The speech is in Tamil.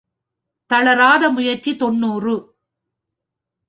தளராத முயற்சி தொன்னூறு.